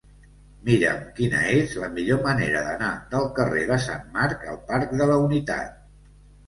Mira'm quina és la millor manera d'anar del carrer de Sant Marc al parc de la Unitat.